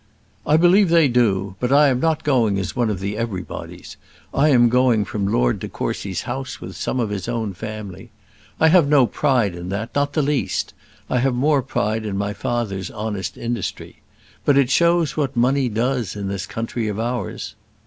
"I believe they do; but I am not going as one of the everybodies. I am going from Lord de Courcy's house with some of his own family. I have no pride in that not the least; I have more pride in my father's honest industry. But it shows what money does in this country of ours."